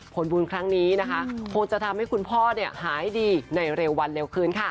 ผลบุญครั้งนี้นะคะคงจะทำให้คุณพ่อหายดีในเร็ววันเร็วคืนค่ะ